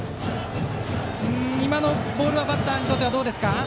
今のボールはバッターにとってはどうですか。